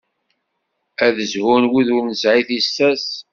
Ad zhun wid ur nesɛi tissas.